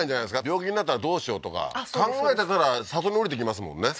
病気になったらどうしようとか考えてたら里におりてきますもんね。